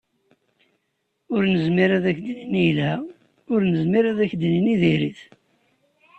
Ur nezmir ad k-d-nini yelha, ur nezmir ad k-d-nini diri-t.